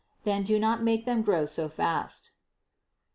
Then do not make them grow so fast.